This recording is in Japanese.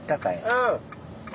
うん。